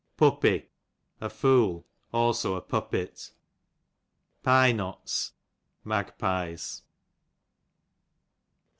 Puppy, a fool ; also a puppet. Pynois, magpies.